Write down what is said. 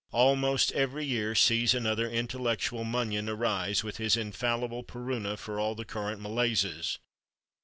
Almost every year sees another intellectual Munyon arise, with his infallible peruna for all the current malaises.